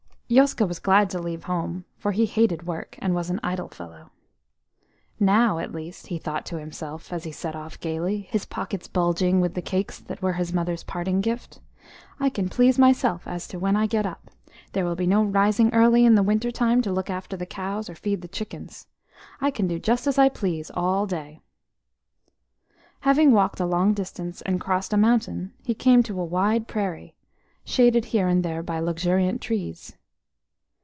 Yoska was glad to leave home, for he hated work, and was an idle fellow. "Now, at least," he thought to himself, as he set off gaily, his pockets bulging with the cakes that were his mother's parting gift, "I can please myself as to when I get up. There will be no rising early in the winter time to look after the cows, or feed the chickens. I can do just as I please all day." Having walked a long distance and crossed a mountain, he came to a wide prairie, shaded here and there by luxuriant trees.